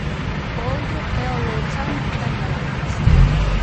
O outro é o arousán Dani Abalo.